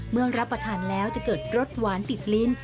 รับประทานแล้วจะเกิดรสหวานติดลิ้น